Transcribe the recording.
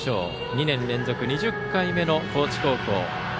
２年連続２０回目の高知高校。